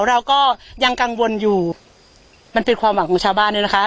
เราก็ยังกังวลอยู่มันเป็นความหวังของชาวบ้านด้วยนะคะ